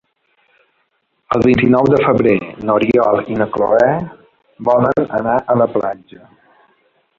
El vint-i-nou de febrer n'Oriol i na Cloè volen anar a la platja.